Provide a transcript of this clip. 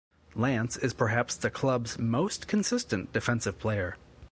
Lance is perhaps the club's most consistent defensive player.